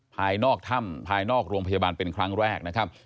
ภายนอกถ้ำภายนอกโรงพยาบาลเป็นครั้งแรกนะครับ